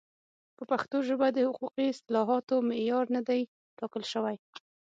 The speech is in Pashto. په پښتو ژبه د حقوقي اصطلاحاتو معیار نه دی ټاکل شوی.